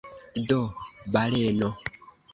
Do – baleno!